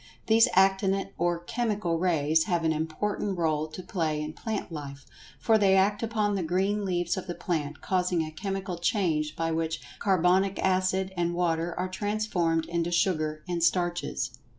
These Actinic or Chemical Rays have an important role to play in plant life, for they act upon the green leaves of the plant, causing a chemical change by which carbonic acid and water are transformed into sugar and starches.